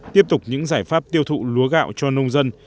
tiếp tục những giải pháp tiêu thụ lúa gạo cho nông dân